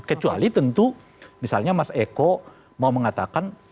kecuali tentu misalnya mas eko mau mengatakan